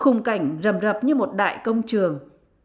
khung cảnh rầm rập như một đại công trường